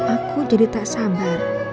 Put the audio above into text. aku jadi tak sabar